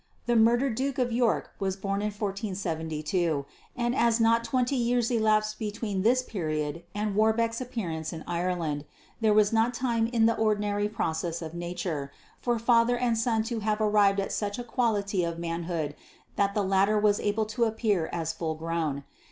The murdered Duke of York was born in 1472, and, as not twenty years elapsed between this period and Warbeck's appearance in Ireland, there was not time in the ordinary process of nature, for father and son to have arrived at such a quality of manhood that the latter was able to appear as full grown.